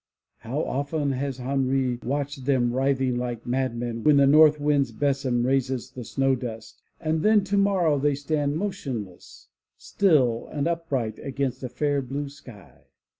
How often has Henri watched them writhing like madmen when the North wind's besom raises the snow dust; and then tomorrow they stand motionless, still and upright, against a fair blue sky.